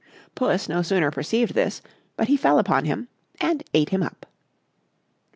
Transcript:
Puss no sooner perceived this, but he fell upon him, and ate him up.